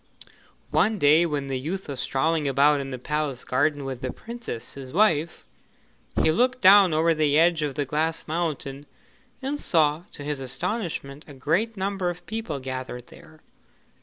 ....... One day when the youth was strolling about in the palace garden with the Princess, his wife, he looked down over the edge of the Glass Mountain and saw to his astonishment a great number of people gathered there.